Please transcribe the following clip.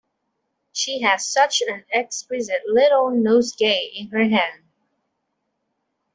She had such an exquisite little nosegay in her hand.